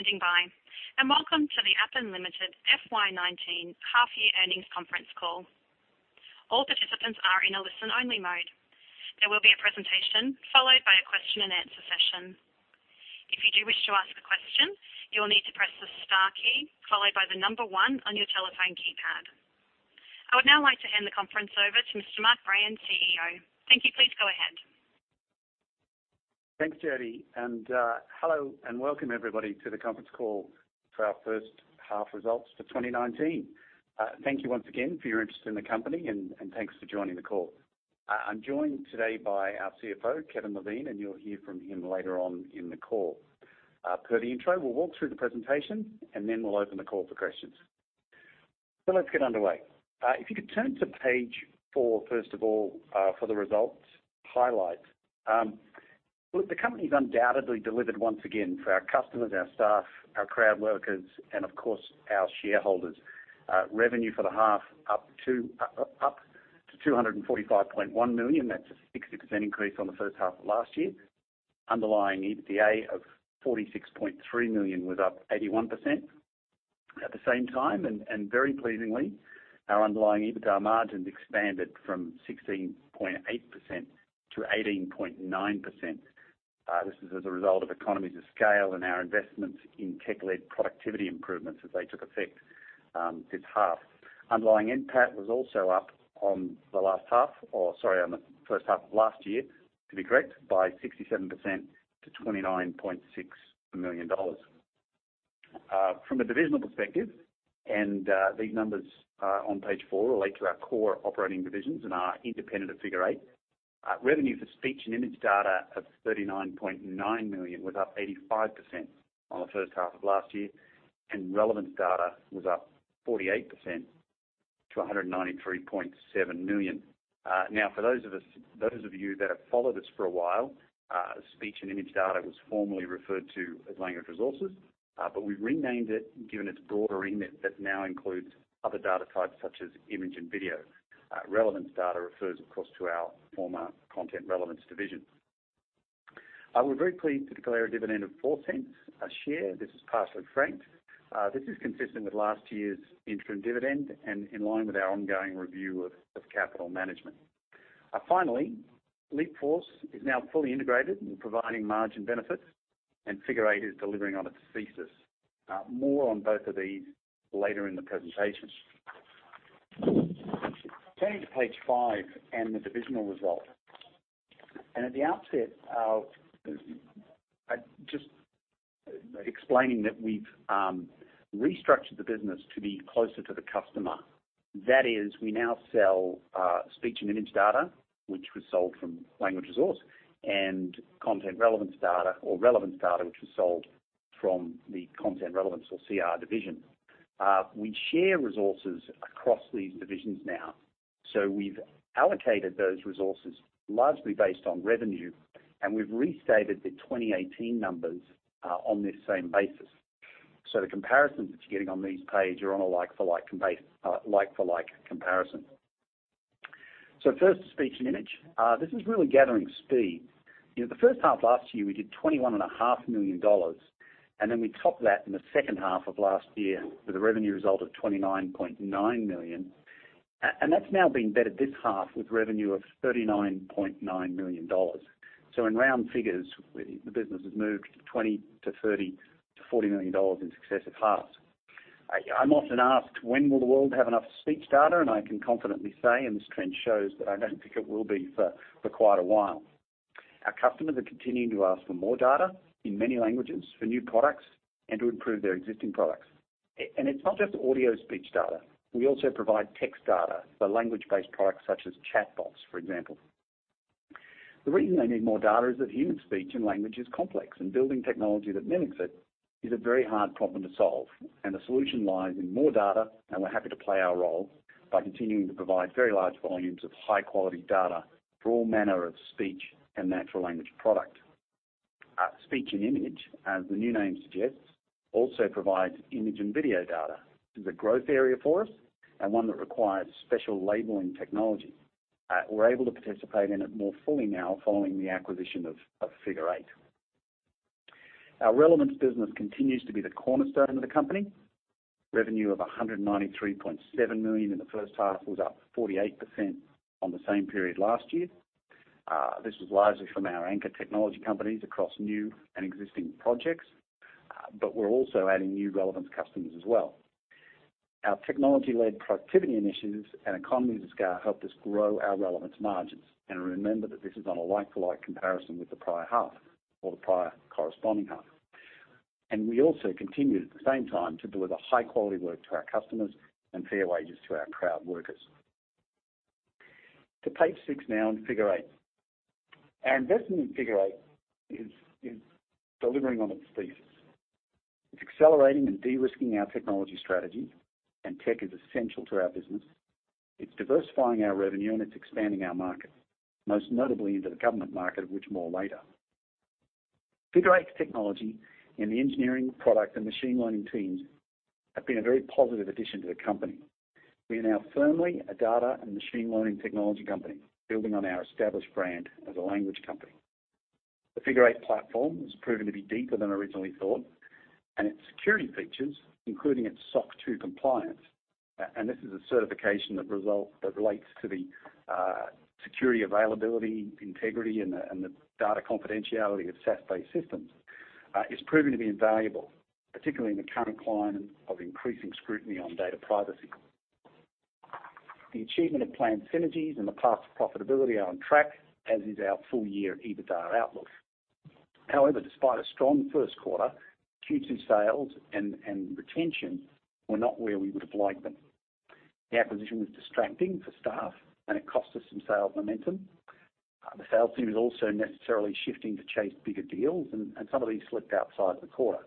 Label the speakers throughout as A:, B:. A: Thank you for standing by, and welcome to the Appen Limited FY 2019 half-year earnings conference call. All participants are in a listen-only mode. There will be a presentation followed by a question and answer session. If you do wish to ask a question, you will need to press the star key followed by the number 1 on your telephone keypad. I would now like to hand the conference over to Mr. Mark Brayan, CEO. Thank you. Please go ahead.
B: Thanks, Jodie, hello and welcome everybody to the conference call for our first half results for 2019. Thank you once again for your interest in the company and thanks for joining the call. I'm joined today by our CFO, Kevin Levine, you'll hear from him later on in the call. Per the intro, we'll walk through the presentation then we'll open the call for questions. Let's get underway. If you could turn to page four, first of all, for the results highlights. Look, the company's undoubtedly delivered once again for our customers, our staff, our crowd workers, and of course, our shareholders. Revenue for the half up to 245.1 million. That's a 60% increase from the first half of last year. Underlying EBITDA of 46.3 million was up 81%. At the same time, very pleasingly, our underlying EBITDA margins expanded from 16.8% to 18.9%. This is as a result of economies of scale and our investments in tech-led productivity improvements as they took effect this half. Underlying NPAT was also up on the last half, or sorry, on the first half of last year, to be correct, by 67% to 29.6 million dollars. From a divisional perspective, these numbers are on page four relate to our core operating divisions and our independent of Figure Eight. Revenue for speech and image data of 39.9 million was up 85% on the first half of last year, relevance data was up 48% to 193.7 million. For those of you that have followed us for a while, speech and image data was formerly referred to as language resources, but we renamed it given its broader remit that now includes other data types such as image and video. Relevance data refers, of course, to our former content relevance division. We are very pleased to declare a dividend of 0.04 a share. This is partially franked. This is consistent with last year's interim dividend and in line with our ongoing review of capital management. Finally, Leapforce is now fully integrated and providing margin benefits, and Figure Eight is delivering on its thesis. More on both of these later in the presentation. Turning to page five and the divisional results. At the outset, just explaining that we have restructured the business to be closer to the customer. That is, we now sell speech and image data, which was sold from Language Resource, and content relevance data or relevance data, which was sold from the Content Relevance or CR Division. We share resources across these divisions now. We've allocated those resources largely based on revenue, and we've restated the 2018 numbers on this same basis. The comparisons that you're getting on this page are on a like-for-like comparison. First, speech and image. This is really gathering speed. The first half of last year, we did 21.5 million dollars, and then we topped that in the second half of last year with a revenue result of 29.9 million. That's now been bettered this half with revenue of 39.9 million dollars. In round figures, the business has moved to 20 million to 30 million to 40 million dollars in successive halves. I'm often asked, when will the world have enough speech data? I can confidently say, and this trend shows, that I don't think it will be for quite a while. Our customers are continuing to ask for more data in many languages for new products and to improve their existing products. It's not just audio speech data. We also provide text data for language-based products such as chatbots, for example. The reason they need more data is that human speech and language is complex, and building technology that mimics it is a very hard problem to solve, and the solution lies in more data, and we're happy to play our role by continuing to provide very large volumes of high-quality data for all manner of speech and natural language product. Speech and Image, as the new name suggests, also provides image and video data. This is a growth area for us and one that requires special labeling technology. We're able to participate in it more fully now following the acquisition of Figure Eight. Our relevance business continues to be the cornerstone of the company. Revenue of 193.7 million in the first half was up 48% on the same period last year. This was largely from our anchor technology companies across new and existing projects, but we're also adding new relevance customers as well. Our technology-led productivity initiatives and economies of scale helped us grow our relevance margins. Remember that this is on a like-to-like comparison with the prior half or the prior corresponding half. We also continued at the same time to deliver high-quality work to our customers and fair wages to our proud workers. To page six now on Figure Eight. Our investment in Figure Eight is delivering on its thesis. It's accelerating and de-risking our technology strategy, and tech is essential to our business. It's diversifying our revenue, and it's expanding our market, most notably into the government market, of which more later. Figure Eight technology and the engineering product and machine learning teams have been a very positive addition to the company. We are now firmly a data and machine learning technology company building on our established brand as a language company. The Figure Eight platform has proven to be deeper than originally thought, and its security features, including its SOC 2 compliance, and this is a certification that relates to the security, availability, integrity, and the data confidentiality of SaaS-based systems, is proving to be invaluable, particularly in the current climate of increasing scrutiny on data privacy. The achievement of planned synergies and the path to profitability are on track, as is our full year EBITDA outlook. However, despite a strong first quarter, Q2 sales and retention were not where we would have liked them. The acquisition was distracting for staff, and it cost us some sales momentum. The sales team is also necessarily shifting to chase bigger deals, and some of these slipped outside the quarter.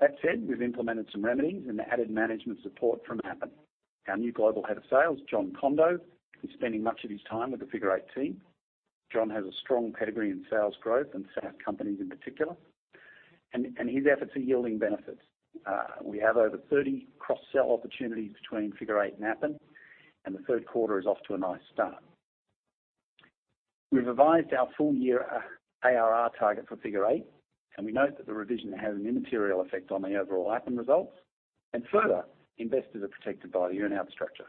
B: That said, we've implemented some remedies and added management support from Appen. Our new global head of sales, Jon Kondo, is spending much of his time with the Figure Eight team. Jon has a strong pedigree in sales growth and SaaS companies in particular, and his efforts are yielding benefits. We have over 30 cross-sell opportunities between Figure Eight and Appen, and the third quarter is off to a nice start. We've revised our full year ARR target for Figure Eight. We note that the revision has an immaterial effect on the overall Appen results. Further, investors are protected by the earn-out structure.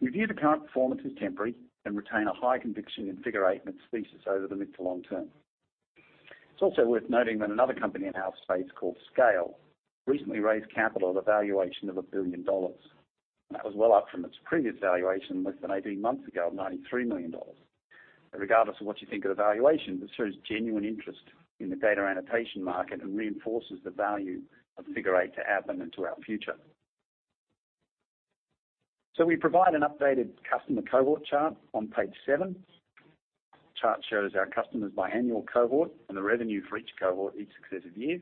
B: We view the current performance as temporary and retain a high conviction in Figure Eight and its thesis over the mid to long term. It's also worth noting that another company in our space called Scale recently raised capital at a valuation of $1 billion. That was well up from its previous valuation less than 18 months ago of $93 million. Regardless of what you think of the valuation, this shows genuine interest in the data annotation market and reinforces the value of Figure Eight to Appen into our future. We provide an updated customer cohort chart on page seven. Chart shows our customers by annual cohort and the revenue for each cohort each successive year.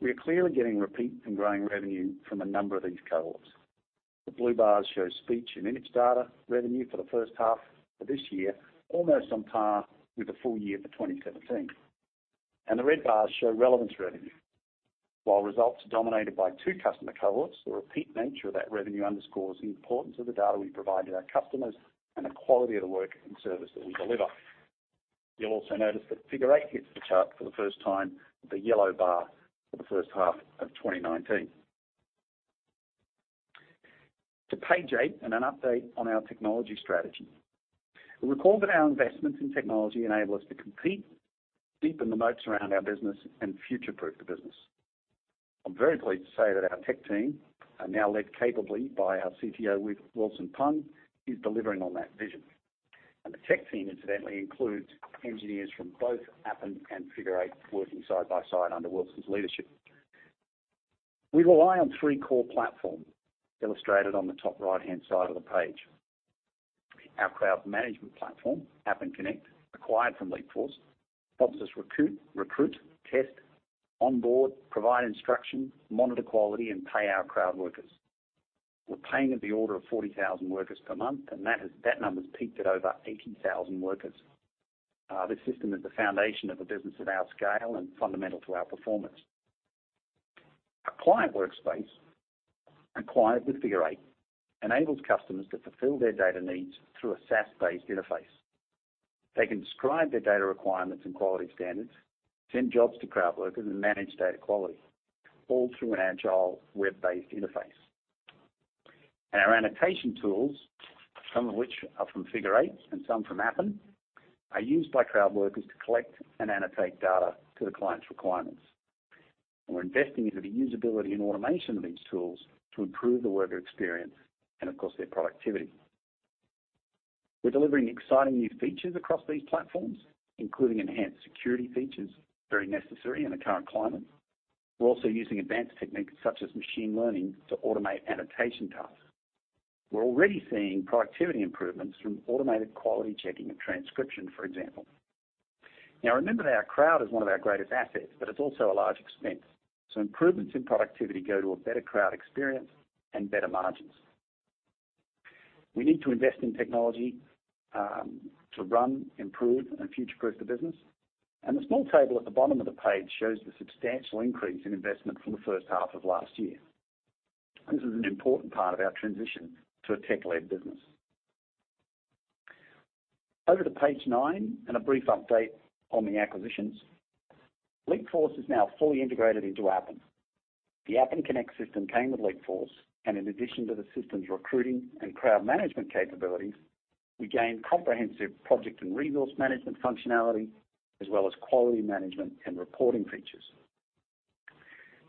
B: We are clearly getting repeat and growing revenue from a number of these cohorts. The blue bars show speech and image data revenue for the first half of this year, almost on par with the full year for 2017. The red bars show relevance revenue. While results are dominated by 2 customer cohorts, the repeat nature of that revenue underscores the importance of the data we provide to our customers and the quality of the work and service that we deliver. You'll also notice that Figure Eight hits the chart for the first time, the yellow bar, for the first half of 2019. To page eight and an update on our technology strategy. You'll recall that our investments in technology enable us to compete, deepen the moats around our business, and future-proof the business. I'm very pleased to say that our CTO Wilson Pang is delivering on that vision. The tech team incidentally includes engineers from both Appen and Figure Eight working side by side under Wilson's leadership. We rely on three core platforms illustrated on the top right-hand side of the page. Our crowd management platform, Appen Connect, acquired from Leapforce, helps us recruit, test, onboard, provide instruction, monitor quality, and pay our crowd workers. We're paying in the order of 40,000 workers per month, and that number's peaked at over 80,000 workers. This system is the foundation of a business of our scale and fundamental to our performance. Our client workspace, acquired with Figure Eight, enables customers to fulfill their data needs through a SaaS-based interface. They can describe their data requirements and quality standards, send jobs to crowd workers, and manage data quality, all through an agile, web-based interface. Our annotation tools, some of which are from Figure Eight and some from Appen, are used by crowd workers to collect and annotate data to the client's requirements. We're investing into the usability and automation of these tools to improve the worker experience and of course, their productivity. We're delivering exciting new features across these platforms, including enhanced security features, very necessary in the current climate. We're also using advanced techniques such as machine learning to automate annotation tasks. We're already seeing productivity improvements from automated quality checking of transcription, for example. Remember that our crowd is one of our greatest assets, but it's also a large expense. Improvements in productivity go to a better crowd experience and better margins. We need to invest in technology to run, improve, and future-proof the business, and the small table at the bottom of the page shows the substantial increase in investment from the first half of last year. This is an important part of our transition to a tech-led business. Over to page nine and a brief update on the acquisitions. Leapforce is now fully integrated into Appen. The Appen Connect system came with Leapforce, and in addition to the system's recruiting and crowd management capabilities, we gained comprehensive project and resource management functionality as well as quality management and reporting features.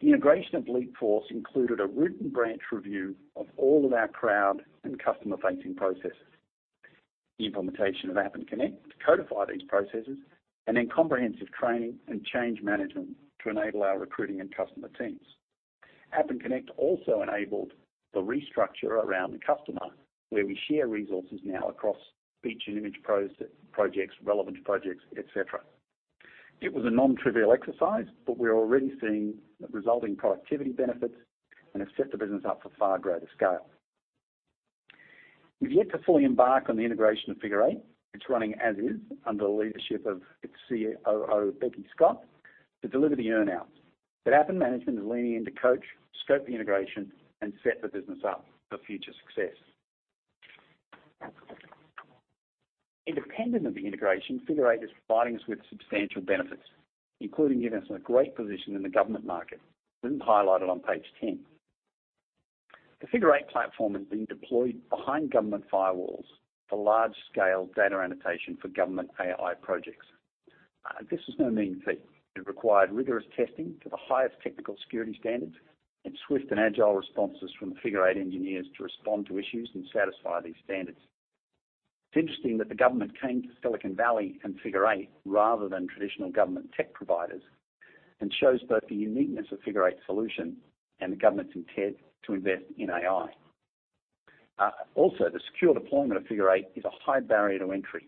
B: The integration of Leapforce included a root and branch review of all of our crowd and customer-facing processes. The implementation of Appen Connect to codify these processes, and then comprehensive training and change management to enable our recruiting and customer teams. Appen Connect also enabled the restructure around the customer where we share resources now across speech and image projects, relevance projects, et cetera. It was a non-trivial exercise, but we're already seeing the resulting productivity benefits and have set the business up for far greater scale. We've yet to fully embark on the integration of Figure Eight. It's running as is under the leadership of its COO, Becky Scott, to deliver the earn-out. Appen management is leaning in to coach, scope the integration, and set the business up for future success. Independent of the integration, Figure Eight is providing us with substantial benefits, including giving us a great position in the government market. This is highlighted on page 10. The Figure Eight platform has been deployed behind government firewalls for large-scale data annotation for government AI projects. This is no mean feat. It required rigorous testing to the highest technical security standards and swift and agile responses from Figure Eight engineers to respond to issues and satisfy these standards. It's interesting that the government came to Silicon Valley and Figure Eight rather than traditional government tech providers, and shows both the uniqueness of Figure Eight's solution and the government's intent to invest in AI. Also, the secure deployment of Figure Eight is a high barrier to entry,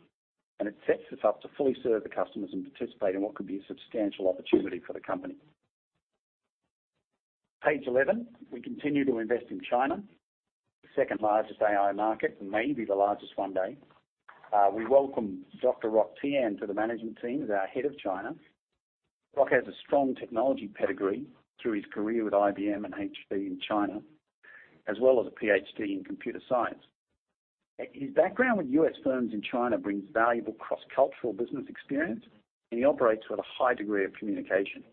B: and it sets us up to fully serve the customers and participate in what could be a substantial opportunity for the company. Page 11, we continue to invest in China, the second-largest AI market, and may be the largest one day. We welcome Dr. Roc Tian to the management team as our head of China. Roc has a strong technology pedigree through his career with IBM and HP in China, as well as a PhD in computer science. His background with U.S. firms in China brings valuable cross-cultural business experience, and he operates with a high degree of communication.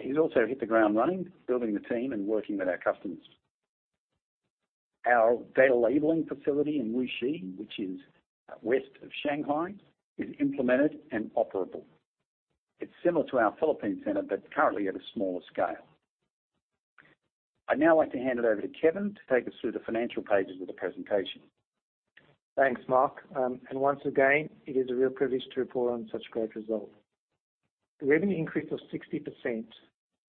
B: He's also hit the ground running, building the team, and working with our customers. Our data labeling facility in Wuxi, which is west of Shanghai, is implemented and operable. It's similar to our Philippine center, but currently at a smaller scale. I'd now like to hand it over to Kevin to take us through the financial pages of the presentation.
C: Thanks, Mark. Once again, it is a real privilege to report on such great results. The revenue increase of 60%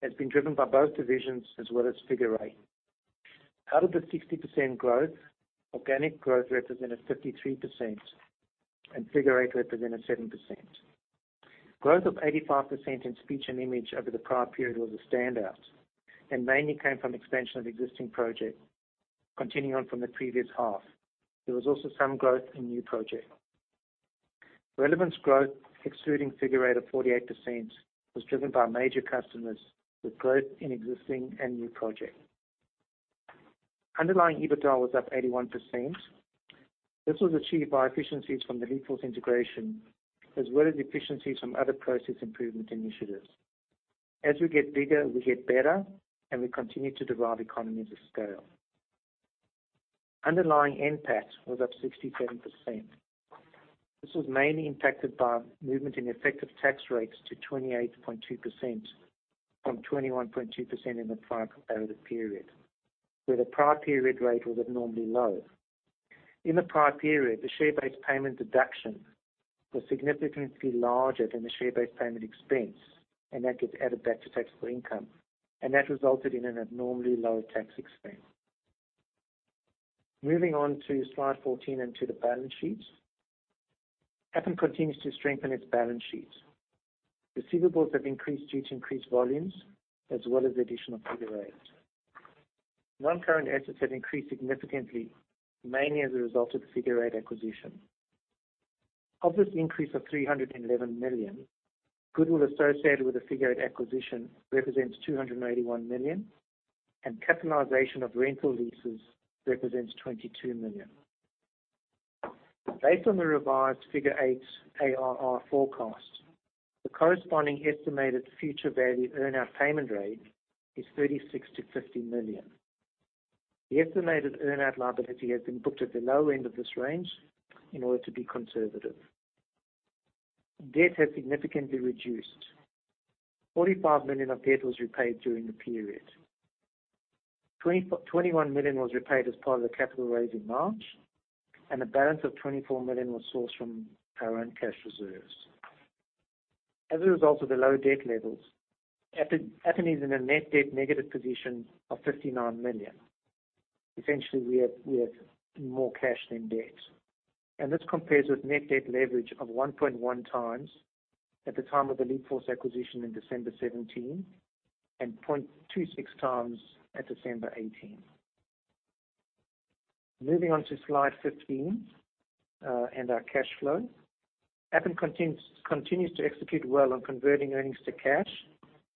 C: has been driven by both divisions as well as Figure Eight. Out of the 60% growth, organic growth represented 53% and Figure Eight represented 7%. Growth of 85% in speech and image over the prior period was a standout and mainly came from expansion of existing projects continuing on from the previous half. There was also some growth in new projects. Relevance growth, excluding Figure Eight of 48%, was driven by major customers with growth in existing and new projects. Underlying EBITDA was up 81%. This was achieved by efficiencies from the Leapforce integration, as well as efficiencies from other process improvement initiatives. As we get bigger, we get better, and we continue to derive economies of scale. Underlying NPAT was up 67%. This was mainly impacted by movement in effective tax rates to 28.2%, from 21.2% in the prior comparative period, where the prior period rate was abnormally low. In the prior period, the share-based payment deduction was significantly larger than the share-based payment expense, that gets added back to taxable income. That resulted in an abnormally low tax expense. Moving on to slide 14 and to the balance sheet. Appen continues to strengthen its balance sheet. Receivables have increased due to increased volumes as well as the addition of Figure Eight. Non-current assets have increased significantly, mainly as a result of the Figure Eight acquisition. Of this increase of 311 million, goodwill associated with the Figure Eight acquisition represents 281 million, and capitalization of rental leases represents 22 million. Based on the revised Figure Eight's ARR forecast, the corresponding estimated future value earn-out payment rate is 36 million-50 million. The estimated earn-out liability has been booked at the low end of this range in order to be conservative. Debt has significantly reduced. 45 million of debt was repaid during the period. 21 million was repaid as part of the capital raise in March, and a balance of 24 million was sourced from our own cash reserves. As a result of the low debt levels, Appen is in a net debt negative position of 59 million. Essentially, we have more cash than debt. This compares with net debt leverage of 1.1 times at the time of the Leapforce acquisition in December 2017 and 0.26 times at December 2018. Moving on to slide 15, our cash flow. Appen continues to execute well on converting earnings to cash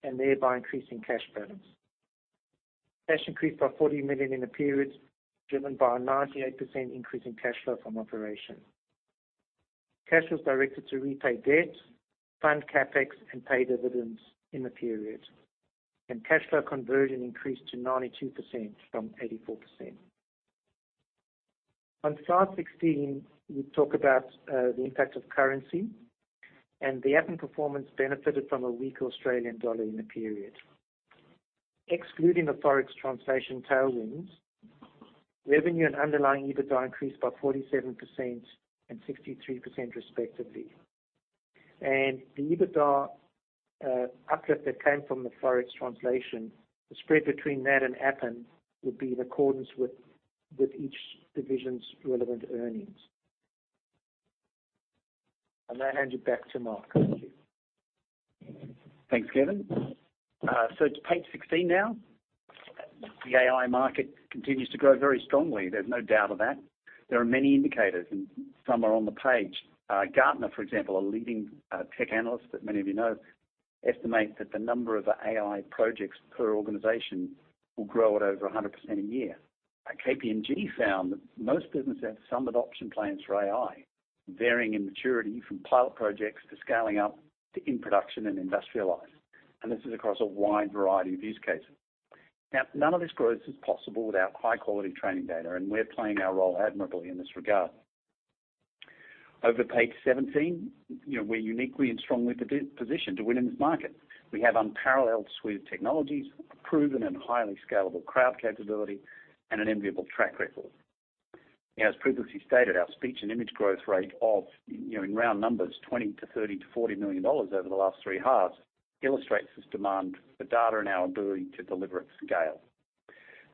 C: and thereby increasing cash balance. Cash increased by 40 million in the period, driven by a 98% increase in cash flow from operation. Cash was directed to repay debt, fund CapEx, and pay dividends in the period. Cash flow conversion increased to 92% from 84%. On slide 16, we talk about the impact of currency and the Appen performance benefited from a weak Australian dollar in the period. Excluding the Forex translation tailwinds, revenue and underlying EBITDA increased by 47% and 63% respectively. The EBITDA uplift that came from the Forex translation, the spread between that and Appen would be in accordance with each division's relevant earnings. I'm going to hand you back to Mark. Thank you.
B: Thanks, Kevin. It's page 16 now. The AI market continues to grow very strongly. There's no doubt of that. There are many indicators, and some are on the page. Gartner, for example, a leading tech analyst that many of you know, estimates that the number of AI projects per organization will grow at over 100% a year. KPMG found that most businesses have some adoption plans for AI, varying in maturity from pilot projects, to scaling up, to in production and industrialized. This is across a wide variety of use cases. Now, none of this growth is possible without high-quality training data, and we're playing our role admirably in this regard. Over to page 17. We're uniquely and strongly positioned to win in this market. We have unparalleled suite of technologies, a proven and highly scalable crowd capability, and an enviable track record. As previously stated, our speech and image growth rate of, in round numbers, 20 million to 30 million to 40 million dollars over the last three halves illustrates this demand for data and our ability to deliver at scale.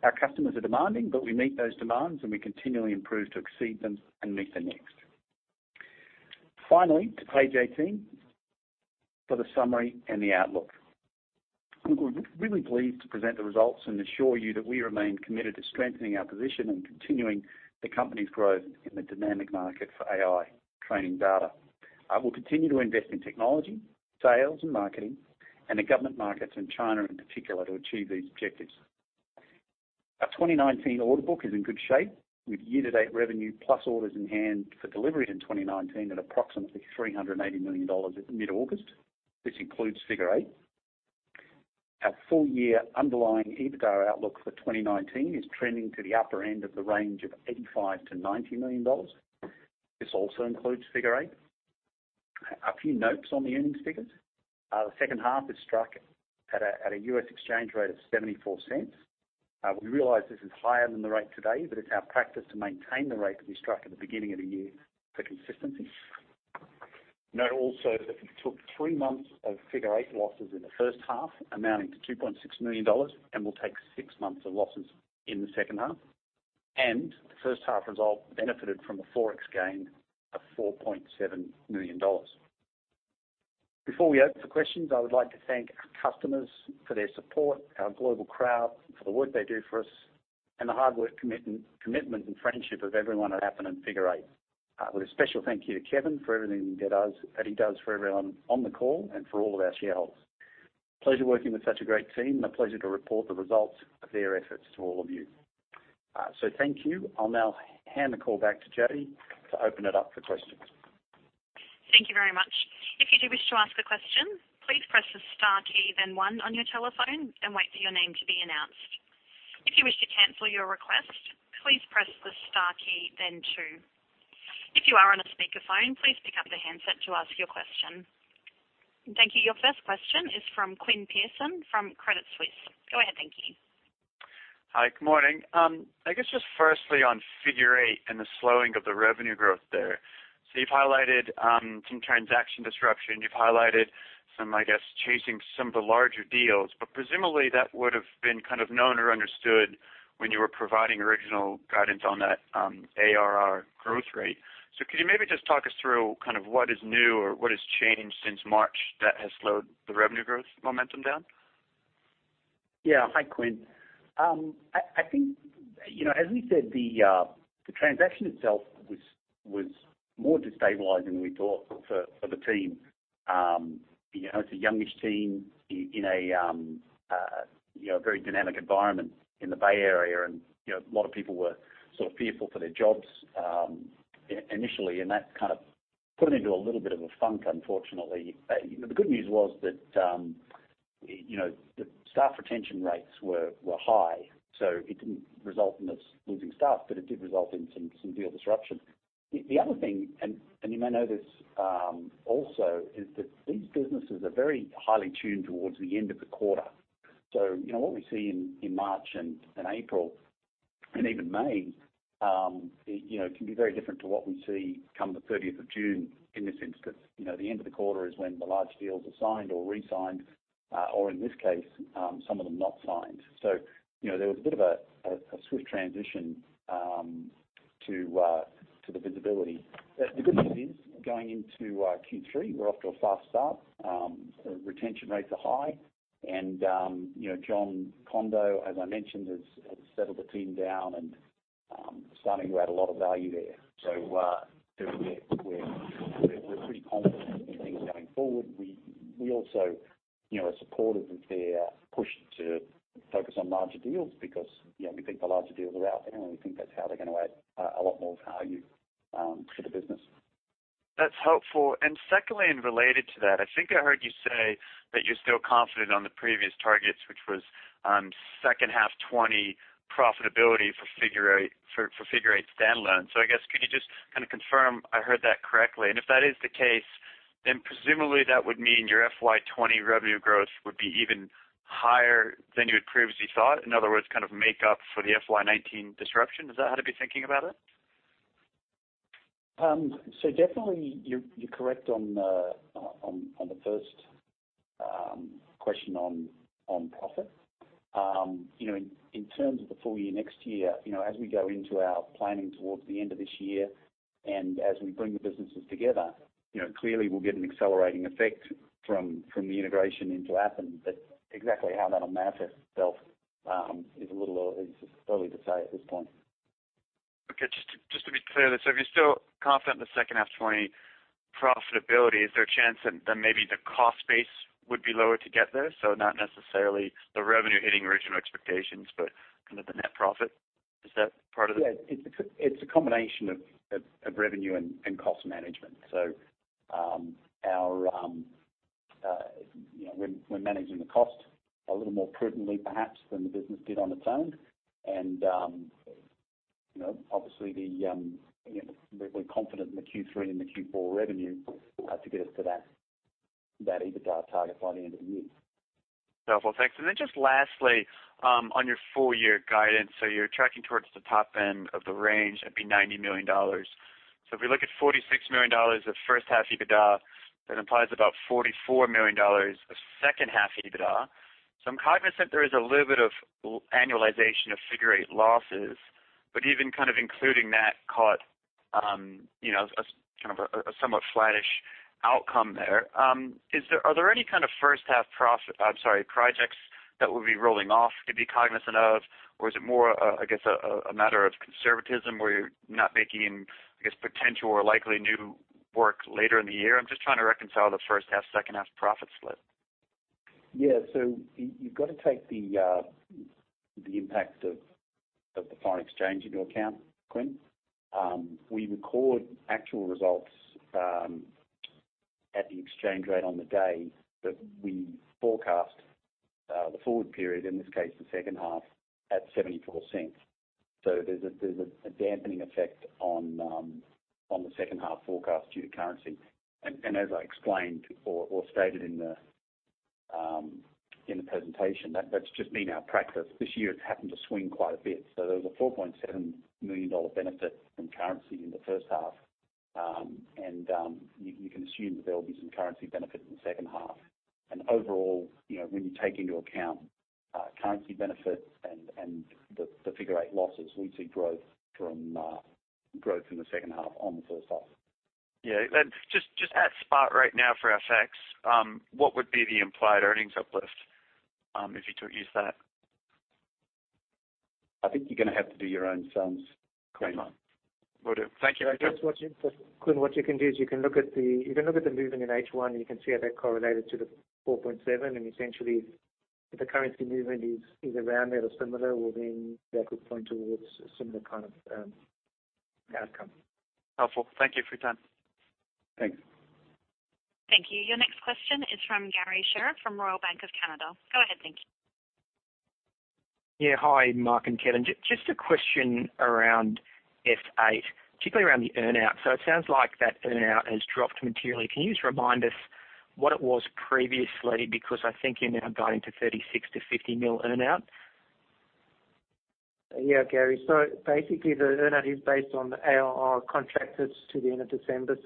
B: Our customers are demanding, but we meet those demands, and we continually improve to exceed them and meet their needs. Finally, to page 18 for the summary and the outlook. We're really pleased to present the results and assure you that we remain committed to strengthening our position and continuing the company's growth in the dynamic market for AI training data. We'll continue to invest in technology, sales, and marketing in the government markets in China in particular, to achieve these objectives. Our 2019 order book is in good shape, with year-to-date revenue plus orders in hand for delivery in 2019 at approximately 380 million dollars at mid-August. This includes Figure Eight. Our full-year underlying EBITDA outlook for 2019 is trending to the upper end of the range of 85 million-90 million dollars. This also includes Figure Eight. A few notes on the earnings figures. The second half is struck at a U.S. exchange rate of $0.74. We realize this is higher than the rate today, but it's our practice to maintain the rate that we struck at the beginning of the year for consistency. Note also that we took three months of Figure Eight losses in the first half, amounting to 2.6 million dollars, and we'll take six months of losses in the second half. The first half result benefited from a Forex gain of 4.7 million dollars. Before we open for questions, I would like to thank our customers for their support, our global crowd for the work they do for us, and the hard work, commitment, and friendship of everyone at Appen and Figure Eight. With a special thank you to Kevin for everything that he does for everyone on the call and for all of our shareholders. Pleasure working with such a great team, and a pleasure to report the results of their efforts to all of you. Thank you. I'll now hand the call back to Jodie to open it up for questions.
A: Thank you very much. If you do wish to ask a question, please press the star key then one on your telephone and wait for your name to be announced. If you wish to cancel your request, please press the star key then two. If you are on a speakerphone, please pick up the handset to ask your question. Thank you. Your first question is from Quinn Pierson from Credit Suisse. Go ahead, thank you.
D: Hi. Good morning. I guess just firstly on Figure Eight and the slowing of the revenue growth there. You've highlighted some transaction disruption. You've highlighted some, I guess, chasing some of the larger deals, presumably, that would've been kind of known or understood when you were providing original guidance on that ARR growth rate. Could you maybe just talk us through kind of what is new or what has changed since March that has slowed the revenue growth momentum down?
B: Yeah. Hi, Quinn. I think as we said, the transaction itself was more destabilizing than we thought for the team. It's a youngish team in a very dynamic environment in the Bay Area, and a lot of people were sort of fearful for their jobs initially, and that kind of put them into a little bit of a funk, unfortunately. The good news was that the staff retention rates were high, so it didn't result in us losing staff, but it did result in some deal disruption. The other thing, and you may know this also, is that these businesses are very highly tuned towards the end of the quarter. What we see in March and in April, and even May, can be very different to what we see come the 30th of June in this instance. The end of the quarter is when the large deals are signed or resigned. In this case, some of them not signed. There was a bit of a swift transition to the visibility. The good news is, going into Q3, we're off to a fast start. Retention rates are high. Jon Kondo, as I mentioned, has settled the team down and starting to add a lot of value there. We're pretty confident in things going forward. We also are supportive of their push to focus on larger deals because we think the larger deals are out there, and we think that's how they're going to add a lot more value to the business.
D: That's helpful. Secondly, and related to that, I think I heard you say that you're still confident on the previous targets, which was second half 2020 profitability for Figure Eight standalone. I guess could you just kind of confirm I heard that correctly? If that is the case, presumably that would mean your FY 2020 revenue growth would be even higher than you had previously thought? In other words, kind of make up for the FY 2019 disruption. Is that how to be thinking about it?
B: Definitely you're correct on the first progression on profit. In terms of the full year next year, as we go into our planning towards the end of this year and as we bring the businesses together, clearly we'll get an accelerating effect from the integration into Appen. Exactly how that will map itself is a little early to say at this point.
D: Just to be clear, if you're still confident in the second half 2020 profitability, is there a chance that maybe the cost base would be lower to get there? Not necessarily the revenue hitting original expectations, but kind of the net profit. Is that part of it?
B: Yeah. It's a combination of revenue and cost management. We're managing the cost a little more prudently, perhaps, than the business did on its own. Obviously we're confident in the Q3 and the Q4 revenue to get us to that EBITDA target by the end of the year.
D: Wonderful, thanks. Lastly, on your full year guidance, you're tracking towards the top end of the range at the 90 million dollars. If we look at 46 million dollars of first half EBITDA, that implies about 44 million dollars of second half EBITDA. I'm cognizant there is a little bit of annualization of Figure Eight losses, but even including that, call it a somewhat flattish outcome there. Are there any kind of first half projects that would be rolling off to be cognizant of? Or is it more, I guess, a matter of conservatism where you're not making, I guess, potential or likely new work later in the year? I'm just trying to reconcile the first half, second half profit split.
B: Yeah. You've got to take the impact of the foreign exchange into account, Quinn. We record actual results at the exchange rate on the day, but we forecast the forward period, in this case, the second half, at $0.74. There's a dampening effect on the second half forecast due to currency. As I explained or stated in the presentation, that's just been our practice. This year, it's happened to swing quite a bit. There was a $4.7 million benefit from currency in the first half. You can assume that there'll be some currency benefit in the second half. Overall, when you take into account currency benefits and the Figure Eight losses, we see growth in the second half on the first half.
D: Yeah. Just at spot right now for our Forex, what would be the implied earnings uplift, if you were to use that?
B: I think you're gonna have to do your own sums, Quinn.
D: Will do. Thank you.
C: Quinn, what you can do is you can look at the movement in H1, and you can see how that correlated to the 4.7. Essentially, if the currency movement is around that or similar, well, then that could point towards a similar kind of outcome.
D: Helpful. Thank you. [inaudible]
B: Thanks.
A: Thank you. Your next question is from Garry Sher from Royal Bank of Canada. Go ahead, thank you.
E: Hi, Mark and Kevin. Just a question around F8, particularly around the earn-out. It sounds like that earn-out has dropped materially. Can you just remind us what it was previously? I think you're now guiding to 36 million-50 million earn-out.
C: Garry. Basically, the earn-out is based on the ARR contracted to the end of December.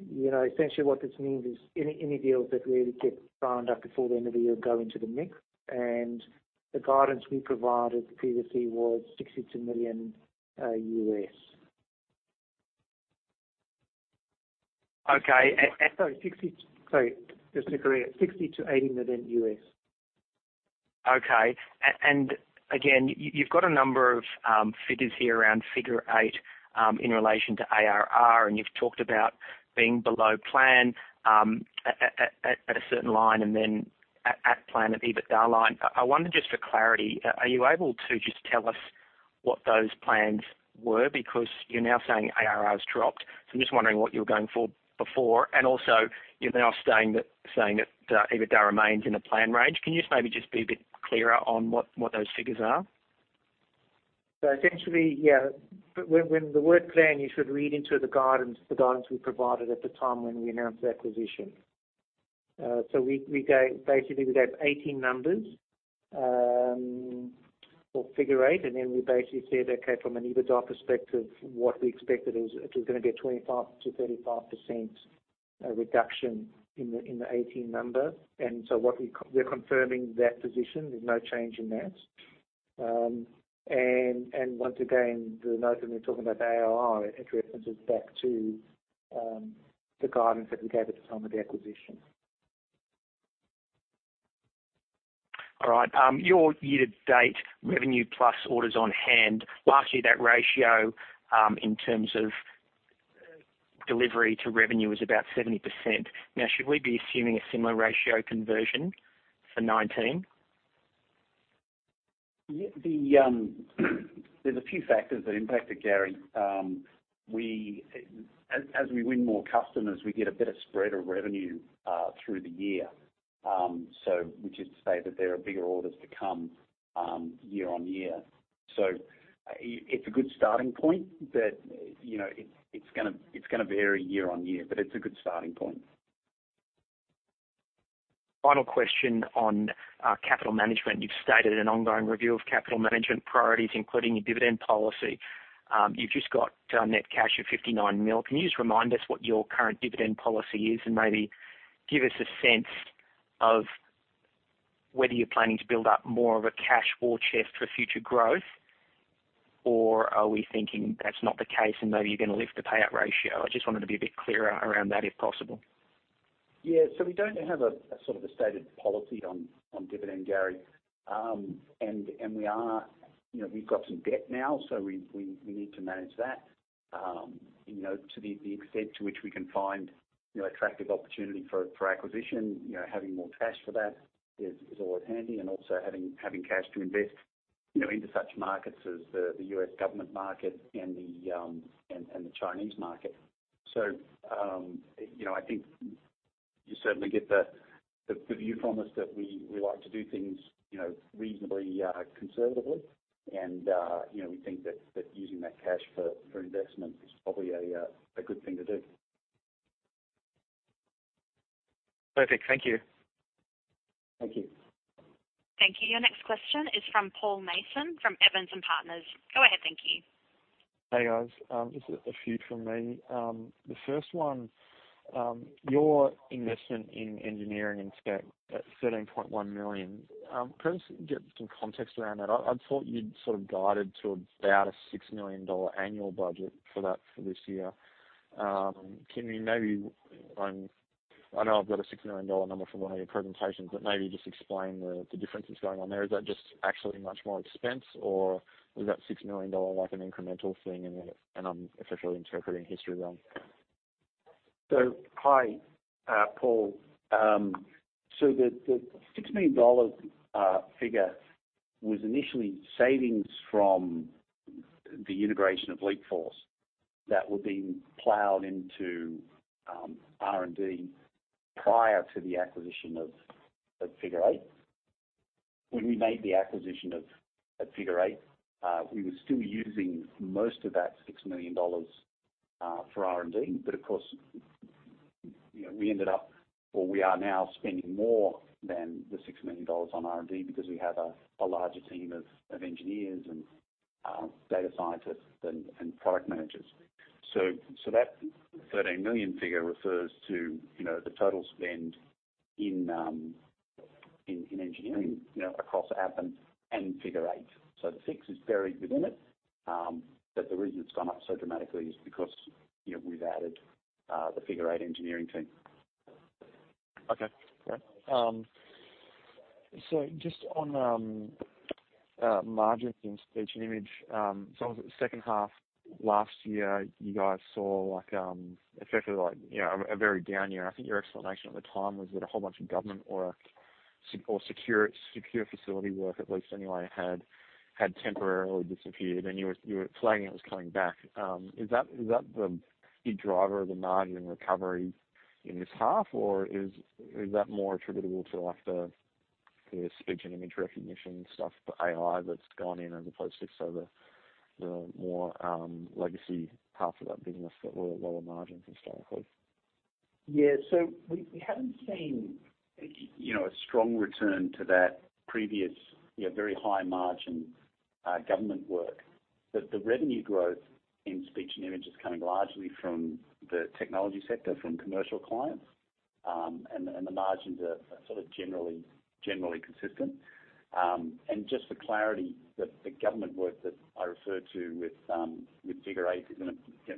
C: Essentially what this means is any deals that really get signed up before the end of the year go into the mix. The guidance we provided previously was $62 million.
E: Sorry, just to clarify 60 million-80 million. You've got a number of figures here around Figure Eight, in relation to ARR, and you've talked about being below plan at a certain line and then at plan at EBITDA line. I wonder just for clarity, are you able to just tell us what those plans were? You're now saying ARR has dropped, so I'm just wondering what you were going for before. Also, you're now saying that EBITDA remains in a plan range. Can you just maybe be a bit clearer on what those figures are?
C: Essentially, yeah. When the word plan, you should read into the guidance we provided at the time when we announced the acquisition. Basically, we gave 2018 numbers, for Figure Eight, and then we basically said, okay, from an EBITDA perspective, what we expected is it was gonna be a 25%-35% reduction in the 2018 number. We're confirming that position. There's no change in that. Once again, the note when we're talking about the ARR, it references back to the guidance that we gave at the time of the acquisition.
E: All right. Your year-to-date revenue plus orders on hand, lastly, that ratio, in terms of delivery to revenue, was about 70%. Should we be assuming a similar ratio conversion for 2019?
B: There's a few factors that impacted, Garry. As we win more customers, we get a better spread of revenue through the year, which is to say that there are bigger orders to come year on year. It's a good starting point. It's going to vary year on year, but it's a good starting point.
E: Final question on capital management. You've stated an ongoing review of capital management priorities, including a dividend policy. You've just got net cash of 59 million. Can you just remind us what your current dividend policy is, and maybe give us a sense of whether you're planning to build up more of a cash war chest for future growth? Or are we thinking that's not the case, and maybe you're going to lift the payout ratio? I just wanted to be a bit clearer around that, if possible.
B: Yeah. We don't have a stated policy on dividend, Garry. We've got some debt now, so we need to manage that. To the extent to which we can find attractive opportunity for acquisition, having more cash for that is always handy, and also having cash to invest into such markets as the U.S. government market and the Chinese market. I think you certainly get the view from us that we like to do things reasonably conservatively, and we think that using that cash for investment is probably a good thing to do.
E: Perfect. Thank you.
B: Thank you.
A: Thank you. Your next question is from Paul Mason of Evans and Partners. Go ahead, thank you.
F: Hey, guys. Just a few from me. The first one, your investment in engineering and CapEx at 13.1 million. Can I just get some context around that? I'd thought you'd sort of guided to about an 6 million dollar annual budget for that for this year. I know I've got an 6 million dollar number from one of your presentations, but maybe just explain the differences going on there. Is that just actually much more expense, or is that 6 million dollar like an incremental thing and I'm officially interpreting history wrong?
B: Hi, Paul. The 6 million dollar figure was initially savings from the integration of Leapforce that were being plowed into R&D prior to the acquisition of Figure Eight. When we made the acquisition of Figure Eight, we were still using most of that 6 million dollars for R&D. Of course, we ended up, or we are now spending more than the 6 million dollars on R&D because we have a larger team of engineers and data scientists and product managers. That 13 million figure refers to the total spend in engineering across Appen and Figure Eight. The six is buried within it. The reason it's gone up so dramatically is because we've added the Figure Eight engineering team.
F: Okay, great. Just on margins in speech and image. It was at the second half last year, you guys saw effectively a very down year. I think your explanation at the time was that a whole bunch of government work or secure facility work, at least anyway, had temporarily disappeared, and you were flagging it was coming back. Is that the key driver of the margin recovery in this half, or is that more attributable to the speech and image recognition stuff, the AI that's gone in, as opposed to the more legacy half of that business that were lower margins historically?
B: Yeah. We haven't seen a strong return to that previous very high-margin government work. The revenue growth in speech and image is coming largely from the technology sector, from commercial clients. The margins are generally consistent. Just for clarity, the government work that I referred to with Figure Eight is in a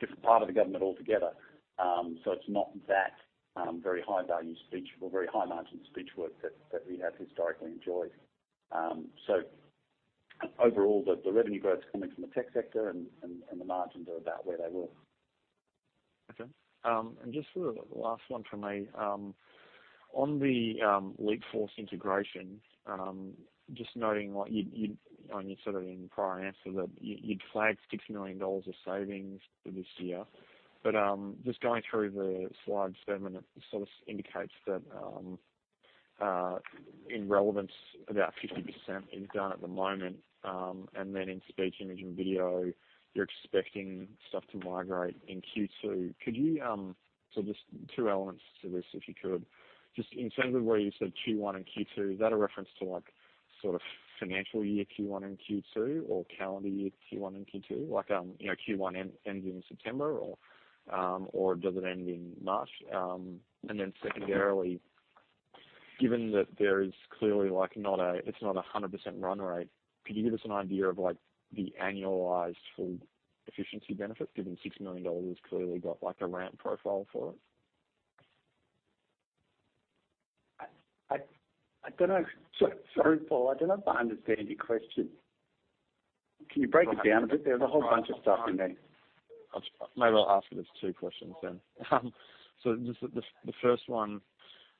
B: different part of the government altogether. It's not that very high-value speech or very high-margin speech work that we have historically enjoyed. Overall, the revenue growth coming from the tech sector and the margins are about where they were.
F: Okay. Just the last one from me. On the Leapforce integration, just noting what you'd said in prior answers that you'd flagged 6 million dollars of savings for this year. Just going through the slide seven, it sort of indicates that in relevance, about 50% is done at the moment. In speech, image, and video, you're expecting stuff to migrate in Q2. Just two elements to this, if you could. Just in terms of where you said Q1 and Q2, is that a reference to financial year Q1 and Q2 or calendar year Q1 and Q2? Like, Q1 ending in September or does it end in March? Secondarily, given that there is clearly it's not 100% run rate, could you give us an idea of the annualized full efficiency benefits, given 6 million dollars has clearly got a ramp profile for it?
B: Sorry, Paul. I don't understand your question. Can you break it down a bit? There's a whole bunch of stuff in there.
F: Maybe I'll ask it as two questions then. Just the first one,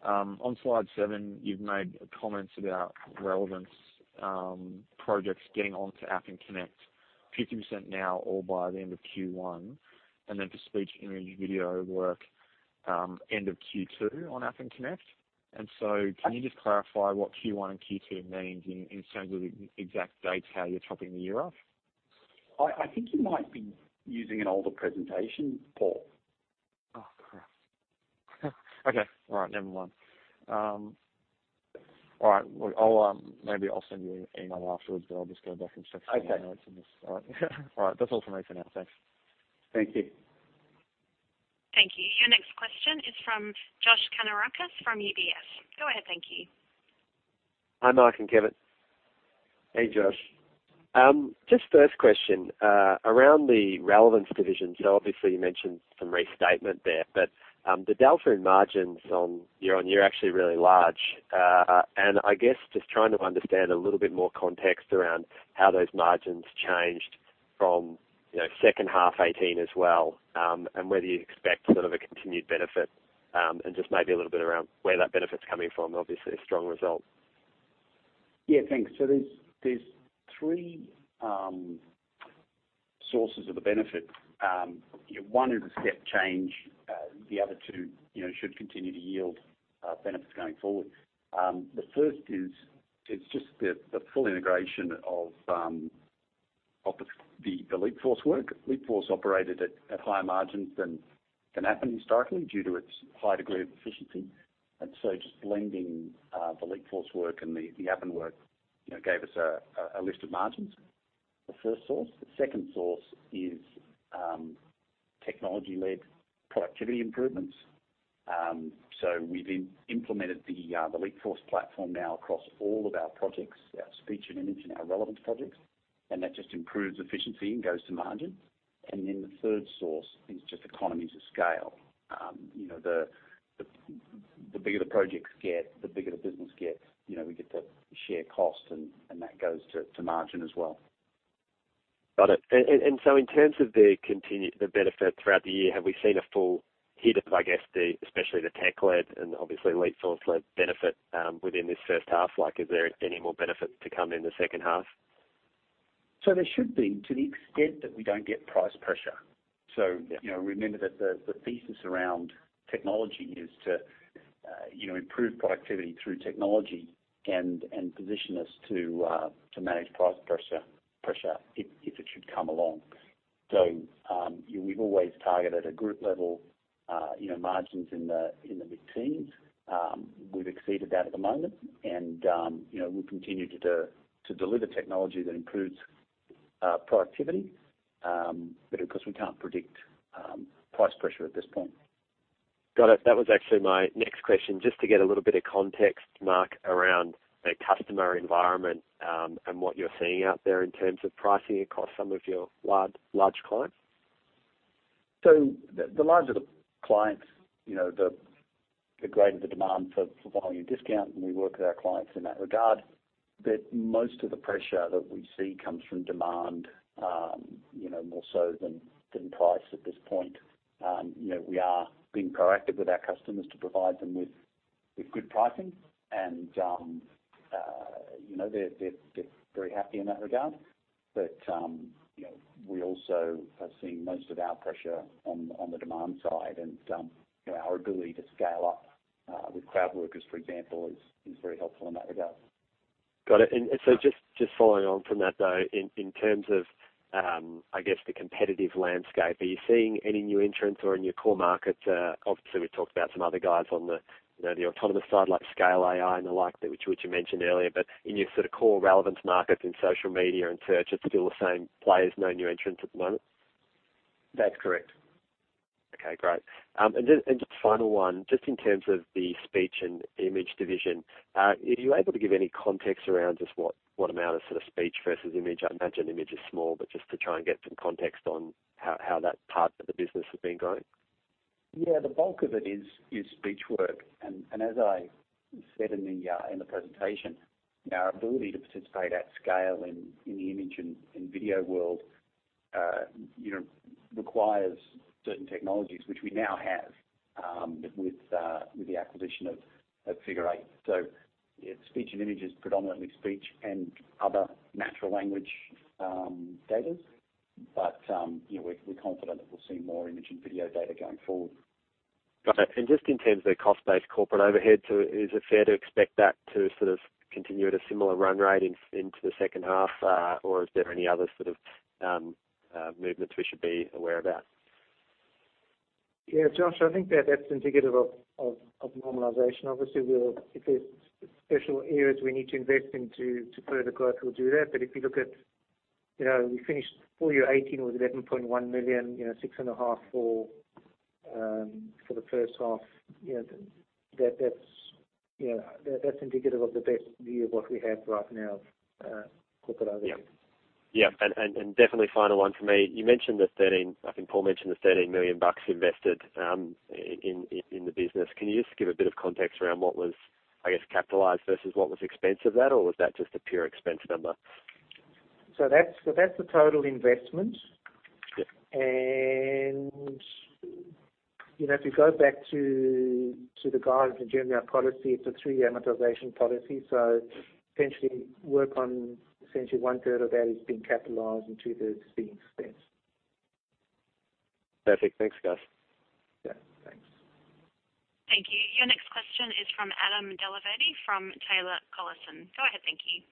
F: on slide seven, you've made comments about relevance projects getting onto Appen Connect 50% now or by the end of Q1, and then for speech, image, video work, end of Q2 on Appen Connect. Can you just clarify what Q1 and Q2 means in terms of the exact dates how you're topping the year off?
B: I think you might be using an older presentation, Paul.
F: Okay. All right. Never mind. All right. Maybe I'll send you an email afterwards, but I'll just go back and check some notes on this.
B: Okay.
F: All right. All right. That's all from me for now. Thanks.
B: Thank you.
A: Thank you. Your next question is from Josh Kannourakis from UBS. Go ahead, thank you.
G: Hi, Mark and Kevin.
B: Hey, Josh.
G: Just first question, around the relevance division. Obviously you mentioned some restatement there, but the delta in margins year-on-year are actually really large. I guess, just trying to understand a little bit more context around how those margins changed from second half 2018 as well, and whether you expect sort of a continued benefit, and just maybe a little bit around where that benefit's coming from. Obviously, a strong result.
B: Yeah, thanks. There's three sources of the benefit. One is a step change, the other two should continue to yield benefits going forward. The first is just the full integration of the Leapforce work. Leapforce operated at higher margins than Appen historically due to its high degree of efficiency. Just blending the Leapforce work and the Appen work gave us a lift of margins, the first source. The second source is technology-led productivity improvements. We've implemented the Leapforce platform now across all of our projects, our speech and image and our relevance projects. That just improves efficiency and goes to margin. The third source is just economies of scale. The bigger the projects get, the bigger the business gets. We get to share cost, and that goes to margin as well.
G: Got it. In terms of the continued benefit throughout the year, have we seen a full hit of, I guess, especially the tech-led and obviously Leapforce-led benefit within this first half? Is there any more benefit to come in the second half?
B: There should be, to the extent that we don't get price pressure. Remember that the thesis around technology is to improve productivity through technology and position us to manage price pressure if it should come along. We've always targeted a group level margins in the mid-teens. We've exceeded that at the moment, and we'll continue to deliver technology that improves productivity. Of course, we can't predict price pressure at this point.
G: Got it. That was actually my next question. Just to get a little bit of context, Mark, around the customer environment and what you're seeing out there in terms of pricing across some of your large clients.
B: The larger the clients, the greater the demand for volume discount, and we work with our clients in that regard. Most of the pressure that we see comes from demand more so than price at this point. We are being proactive with our customers to provide them with good pricing and they're very happy in that regard. We also are seeing most of our pressure on the demand side and our ability to scale up with crowd workers, for example, is very helpful in that regard.
G: Got it. Just following on from that, though, in terms of, I guess, the competitive landscape, are you seeing any new entrants or in your core markets? Obviously, we talked about some other guys on the autonomous side like Scale AI and the like, which you mentioned earlier. In your sort of core relevance markets in social media and search, it's still the same players, no new entrants at the moment?
B: That's correct.
G: Okay, great. Just final one, just in terms of the speech and image division, are you able to give any context around just what amount of sort of speech versus image? I imagine image is small, but just to try and get some context on how that part of the business has been going.
B: Yeah, the bulk of it is speech work. As I said in the presentation, our ability to participate at scale in the image and video world requires certain technologies which we now have with the acquisition of Figure Eight. Speech and image is predominantly speech and other natural language datas. We're confident that we'll see more image and video data going forward.
G: Got it. Just in terms of the cost base corporate overhead, is it fair to expect that to sort of continue at a similar run rate into the second half? Is there any other sort of movements we should be aware about?
C: Yeah, Josh, I think that that's indicative of normalization. Obviously, if there's special areas we need to invest in to further growth, we'll do that. If you look at, we finished full year 2018 with 11.1 million, six and a half for the first half. That's indicative of the best view of what we have right now of corporate overhead.
G: Yeah. Definitely final one from me. I think Paul mentioned the 13 million bucks invested in the business. Can you just give a bit of context around what was, I guess, capitalized versus what was expense of that? Was that just a pure expense number?
C: That's the total investment.
G: Yeah.
C: If you go back to the guidance in general policy, it's a three-year amortization policy. Essentially work on essentially one-third of that is being capitalized and two-thirds is being expensed.
G: Perfect. Thanks, guys.
C: Yeah. Thanks.
A: Thank you. Your next question is from Adam Dellaverde from Taylor Collison. Go ahead, thank you.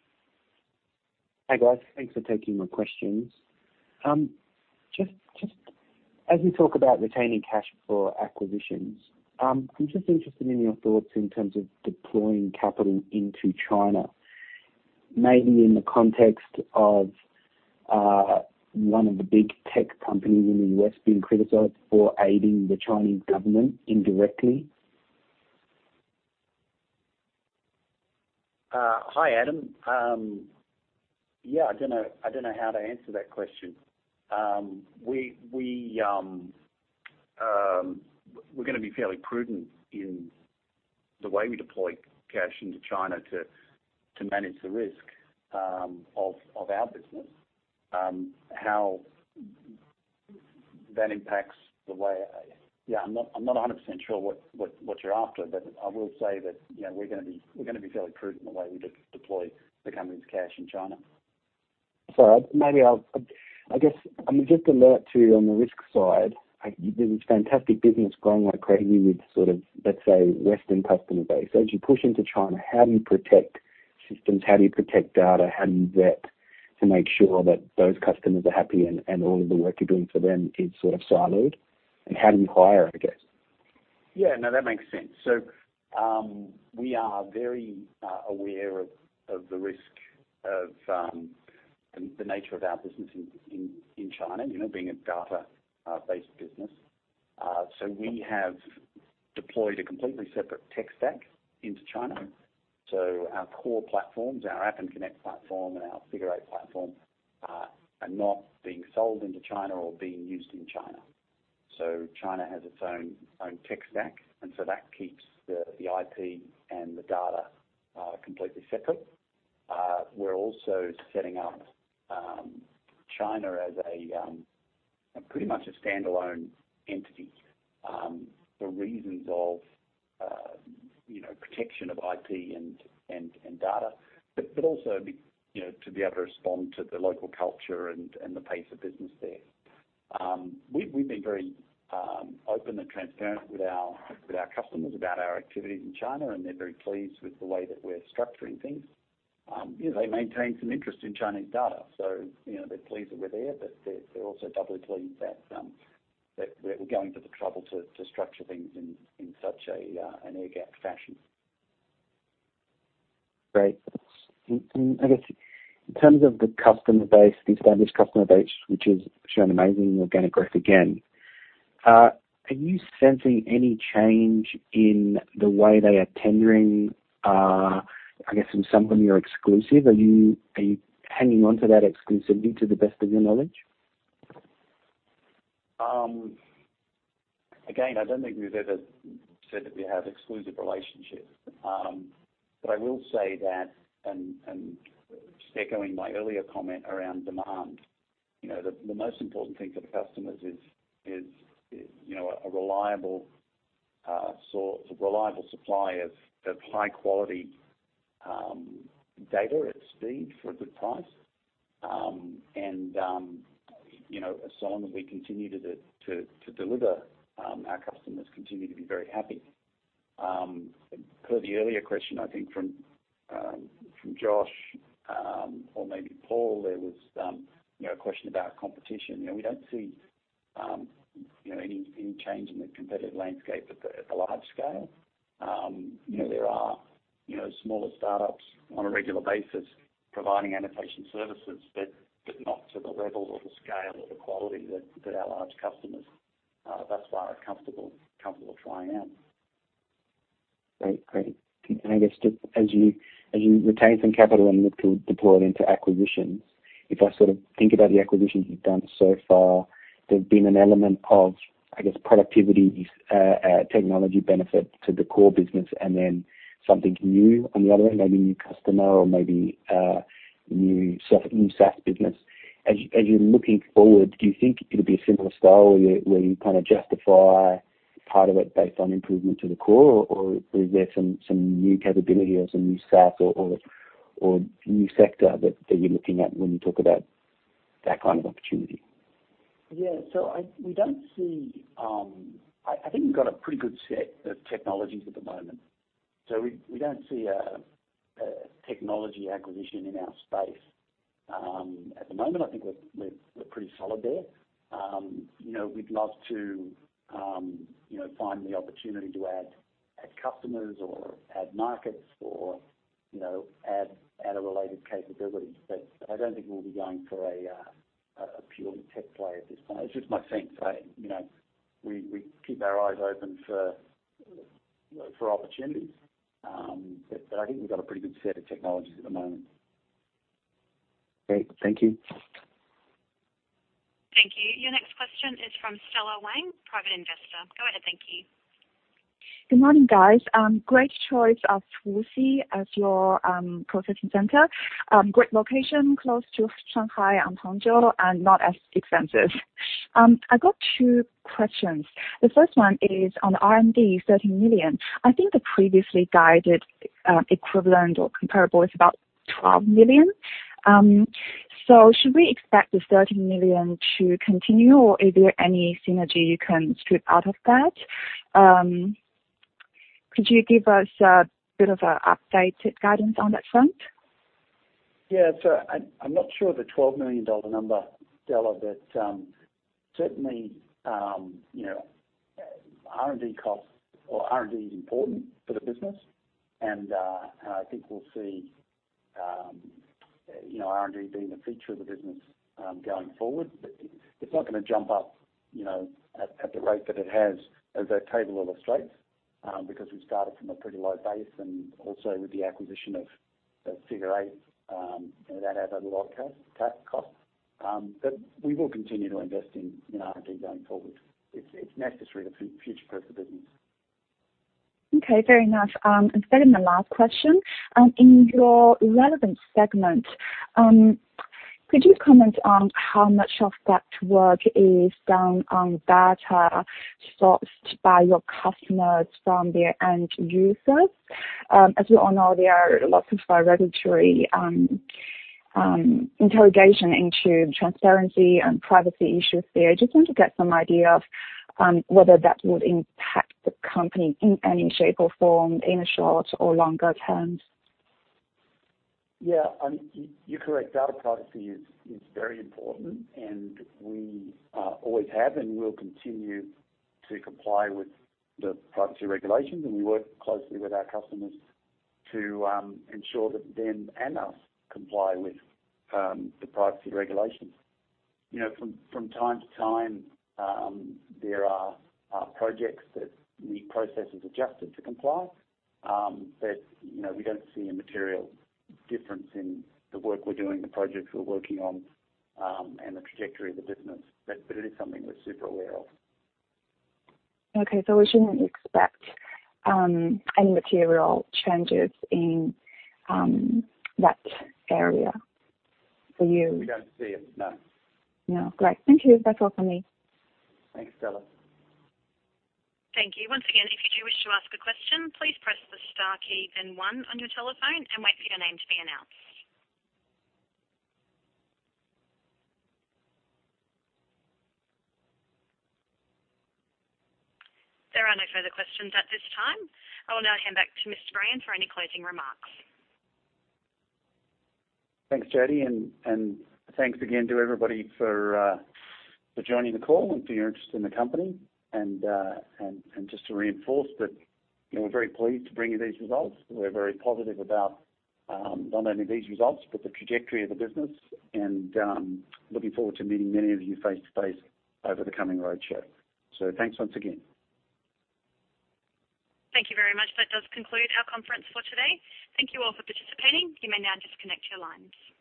H: Hi, guys. Thanks for taking my questions. Just as we talk about retaining cash for acquisitions, I'm just interested in your thoughts in terms of deploying capital into China, maybe in the context of one of the big tech companies in the U.S. being criticized for aiding the Chinese government indirectly.
B: Hi, Adam. Yeah, I don't know how to answer that question. We're going to be fairly prudent in the way we deploy cash into China to manage the risk of our business. Yeah, I'm not 100% sure what you're after, but I will say that we're going to be fairly prudent in the way we deploy the company's cash in China.
H: Sorry. I guess I'm just alert to, on the risk side, there's this fantastic business growing like crazy with sort of, let's say, Western customer base. You push into China, how do you protect systems? How do you protect data? How do you vet to make sure that those customers are happy, and all of the work you're doing for them is sort of siloed? How do you hire, I guess?
B: Yeah. No, that makes sense. We are very aware of the risk of the nature of our business in China, being a data-based business. We have deployed a completely separate tech stack into China. Our core platforms, our Appen Connect platform and our Figure Eight platform, are not being sold into China or being used in China. China has its own tech stack, and so that keeps the IP and the data completely separate. We're also setting up China as pretty much a standalone entity for reasons of protection of IP and data. Also to be able to respond to the local culture and the pace of business there. We've been very open and transparent with our customers about our activities in China, and they're very pleased with the way that we're structuring things. They maintain some interest in Chinese data, so they're pleased that we're there, but they're also doubly pleased that we're going to the trouble to structure things in such an air-gapped fashion.
H: Great. I guess in terms of the established customer base, which has shown amazing organic growth again, are you sensing any change in the way they are tendering, I guess in some of them you're exclusive? Are you hanging on to that exclusivity to the best of your knowledge?
B: Again, I don't think we've ever said that we have exclusive relationships. I will say that, and just echoing my earlier comment around demand, the most important thing for the customers is a reliable supply of high-quality data at speed for a good price. So long as we continue to deliver, our customers continue to be very happy. Per the earlier question, I think from Josh, or maybe Paul, there was a question about competition. We don't see any change in the competitive landscape at the large scale. There are smaller startups on a regular basis providing annotation services, but not to the level or the scale or the quality that our large customers thus far are comfortable trying out.
H: Great. I guess just as you retain some capital and look to deploy it into acquisitions, if I sort of think about the acquisitions you've done so far, there's been an element of, I guess, productivity, technology benefit to the core business and then something new on the other end, maybe a new customer or maybe a new SaaS business. As you're looking forward, do you think it'll be a similar style where you kind of justify part of it based on improvement to the core? Or is there some new capability or some new SaaS or new sector that you're looking at when you talk about that kind of opportunity?
B: Yeah. I think we've got a pretty good set of technologies at the moment. At the moment, I think we're pretty solid there. We'd love to find the opportunity to add customers or add markets or add a related capability. I don't think we'll be going for a purely tech play at this point. It's just my sense. We keep our eyes open for opportunities. I think we've got a pretty good set of technologies at the moment.
H: Great. Thank you.
A: Thank you. Your next question is from Stella Wang, private investor. Go ahead, thank you. Good morning, guys. Great choice of Wuxi as your processing center. Great location, close to Shanghai and Hangzhou and not as expensive. I got two questions. The first one is on R&D, 30 million. I think the previously guided equivalent or comparable is about 12 million. Should we expect the 30 million to continue, or is there any synergy you can strip out of that? Could you give us a bit of an update guidance on that front?
B: Yeah. I'm not sure of the 12 million dollar number, Stella, but certainly, R&D is important for the business, and I think we'll see R&D being the future of the business going forward. It's not going to jump up at the rate that it has as that table illustrates, because we've started from a pretty low base and also with the acquisition of Figure Eight, that has a lot of tax costs. We will continue to invest in R&D going forward. It's necessary for the future growth of the business. Okay. Very nice. Staying in the last question, in your relevant segment, could you comment on how much of that work is done on data sourced by your customers from their end users? As we all know, there are lots of regulatory interrogation into transparency and privacy issues there. Just want to get some idea of whether that would impact the company in any shape or form in a short or longer term. Yeah, you're correct. Data privacy is very important and we always have and will continue to comply with the privacy regulations, and we work closely with our customers to ensure that them and us comply with the privacy regulations. From time to time, there are projects that the process is adjusted to comply, but we don't see a material difference in the work we're doing, the projects we're working on, and the trajectory of the business. It is something we're super aware of. Okay. We shouldn't expect any material changes in that area for you? We don't see it, no. No. Great. Thank you. That's all for me. Thanks, Stella.
A: Thank you. Once again, if you do wish to ask a question, please press the star key and one on your telephone and wait for your name to be announced. There are no further questions at this time. I will now hand back to Mark Brayan for any closing remarks.
B: Thanks, Jodie. Thanks again to everybody for joining the call and for your interest in the company. Just to reinforce that we're very pleased to bring you these results. We're very positive about not only these results, but the trajectory of the business, and looking forward to meeting many of you face-to-face over the coming roadshow. Thanks once again.
A: Thank you very much. That does conclude our conference for today. Thank you all for participating. You may now disconnect your lines.